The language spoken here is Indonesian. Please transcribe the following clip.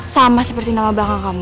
sama seperti nama bakal kamu